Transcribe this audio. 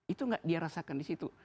itu tidak dirasakan di situ